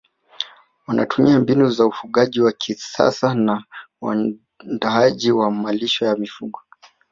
wanatumia mbinu za ufugaji wa kisasa na uandaaji wa malisho ya mifugo